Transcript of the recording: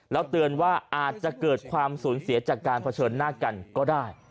แล้วเตือนว่าอาจจะเกิดความสูญเสียจากการเผชิญหน้ากันก็ได้